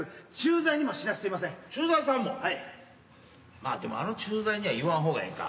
まあでもあの駐在には言わん方がええか。